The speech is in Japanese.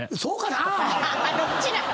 どっちなの？